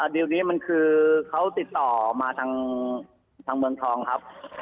ดีลนี้มันคือเขาติดต่อมาทางเมืองทองครับ